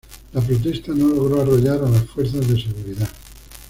la protesta no logró arrollar a las fuerzas de seguridad